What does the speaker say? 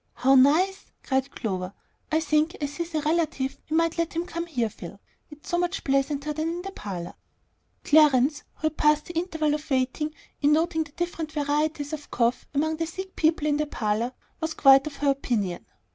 "How nice!" cried Clover. "I think as he's a relative we might let him come here, Phil. It's so much pleasanter than the parlor." Clarence, who had passed the interval of waiting in noting the different varieties of cough among the sick people in the parlor, was quite of her opinion.